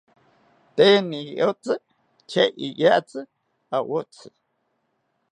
Tee niyotzi tya iyatzi awotzi